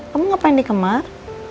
kamu ngapain di kamar